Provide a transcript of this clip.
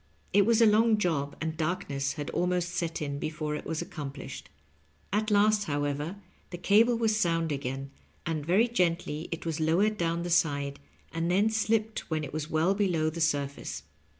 It was a long job, and darkness had almost set in before it was accomplished. At last, however, the cable was sound again, and very gently it was lowered down the side, and then slipped when it was well below the sur face.